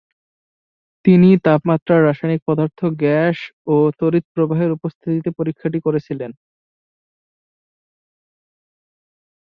তিনি তাপমাত্রা, রাসায়নিক পদার্থ, গ্যাস ও তড়িৎ প্রবাহের উপস্থিতিতে পরীক্ষাটি করেছিলেন।